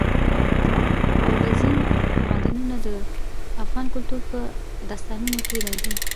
اوبزین معدنونه د افغان کلتور په داستانونو کې راځي.